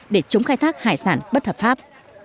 để chống khai thác hải sản bất hợp pháp